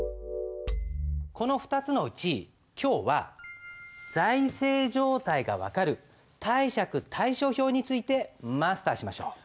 この２つのうち今日は財政状態が分かる貸借対照表についてマスターしましょう。